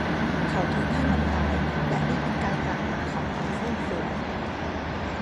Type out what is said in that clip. เขาทิ้งให้มันตาย และนี่เป็นการกลับมาของความฟุ่มเฟือย